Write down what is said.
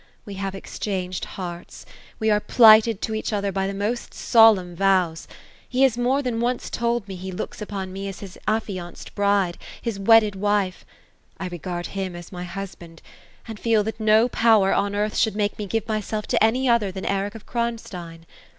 We have exchanged hearts. We are plighted to each other by the most solemn vows. He has more than once told me he looks upon me as his affianced bride, — his wedded wife ;— I regard him as my husband, and feel that no power on earth should make me give my self to any other than Eric of Kron stein.